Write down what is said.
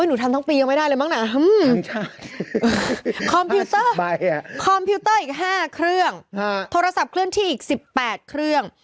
หนูทำทั้งปียังไม่ได้เลยมั้งนะคอมพิวเตอร์คอมพิวเตอร์อีก๕เครื่องโทรศัพท์เคลื่อนที่อีก๑๘เครื่อง